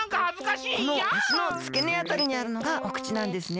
このあしのつけねあたりにあるのがお口なんですね。